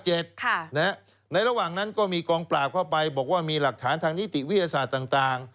ในระหว่างนั้นก็มีกองปราบเข้าไปบอกว่ามีหลักฐานทางนิติวิทยาศาสตร์ต่าง